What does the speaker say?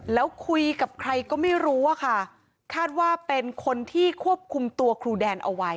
แล้วคุยกับใครก็ไม่รู้อะค่ะคาดว่าเป็นคนที่ควบคุมตัวครูแดนเอาไว้